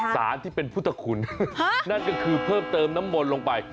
สารที่เป็นพุทธคุณนั่นก็คือเพิ่มเติมน้ำมนต์ลงไป